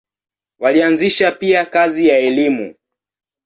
Walianzisha pia kazi ya elimu.